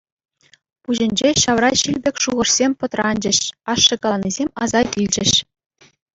Пуҫӗнче ҫавра ҫил пек шухӑшсем пӑтранчӗҫ, ашшӗ каланисем аса килчӗҫ.